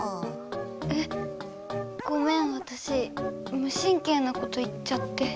えごめんわたしむしんけいなこと言っちゃって。